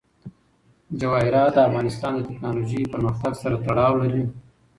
جواهرات د افغانستان د تکنالوژۍ پرمختګ سره تړاو لري.